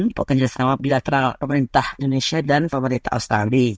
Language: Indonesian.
untuk kerjasama bilateral pemerintah indonesia dan pemerintah australia